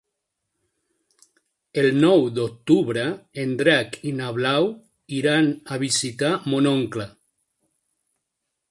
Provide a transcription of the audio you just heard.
El nou d'octubre en Drac i na Blau iran a visitar mon oncle.